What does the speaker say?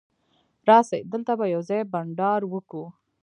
راسئ! دلته به یوځای بانډار وکو.